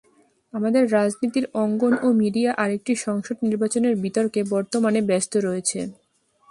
আমাদের রাজনীতির অঙ্গন ও মিডিয়া আরেকটি সংসদ নির্বাচনের বিতর্কে বর্তমানে ব্যস্ত রয়েছে।